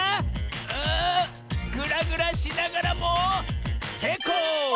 あグラグラしながらもせいこう！